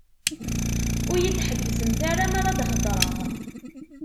Ur yi-d-ḥebbsemt ara mi ara d-heddṛeɣ.